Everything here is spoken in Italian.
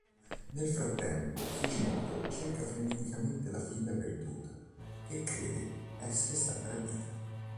Nel frattempo, Fujimoto cerca freneticamente la figlia perduta, che crede essere stata rapita.